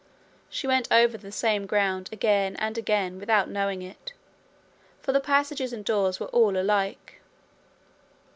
She went over the same ground again an again without knowing it, for the passages and doors were all alike.